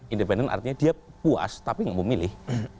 independen artinya dia puas tapi gak mau memilih